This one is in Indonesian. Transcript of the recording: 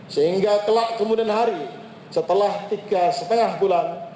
sehingga kelak kemudian hari setelah tiga lima bulan